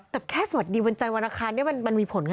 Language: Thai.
แต่แค่สวัสดีวันจันทร์วันอังคารเนี่ยมันมีผลไง